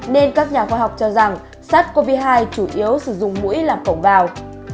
nên các nhà khoa học cho rằng sars cov hai chủ yếu sử dụng mũi làm cổng vào